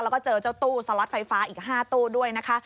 แล้วก็เจอเจ้าตู้สล็อตไฟฟ้าอีก๕ตู้ด้วยนะคะ